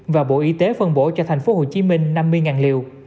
và bộ y tế phân bổ cho thành phố hồ chí minh năm mươi liều